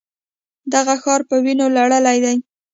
دغه ښار په وینو لړلی دی.